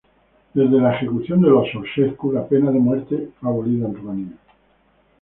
Desde la ejecución de los Ceaușescu, la pena de muerte fue abolida en Rumanía.